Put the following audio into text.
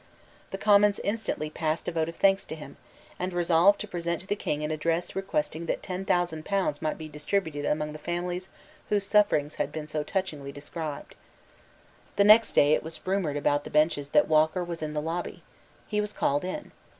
The Commons instantly passed a vote of thanks to him, and resolved to present to the King an address requesting that ten thousand pounds might be distributed among the families whose sufferings had been so touchingly described. The next day it was rumoured about the benches that Walker was in the lobby. He was called in.